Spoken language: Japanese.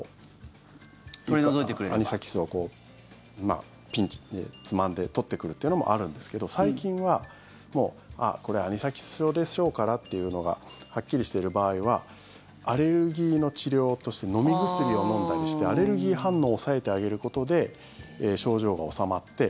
アニサキスをピンでつまんで取ってくるというのもあるんですけど最近はこれ、アニサキス症でしょうからっていうのがはっきりしている場合はアレルギーの治療として飲み薬を飲んだりしてアレルギー反応を抑えてあげることで症状が治まって。